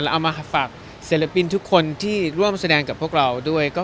เอามาฝากศิลปินทุกคนที่ร่วมแสดงกับพวกเราด้วย